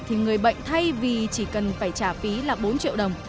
thì người bệnh thay vì chỉ cần phải trả phí là bốn triệu đồng